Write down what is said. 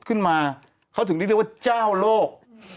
ขึ้นมาเขาถึงได้เรียกว่าเจ้าโลก